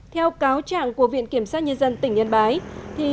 theo cáo trạng của viện kiểm sát nhân dân tỉnh yên bái